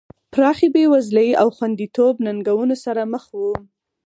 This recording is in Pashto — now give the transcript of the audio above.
پراخې بېوزلۍ او خوندیتوب ننګونو سره مخ وو.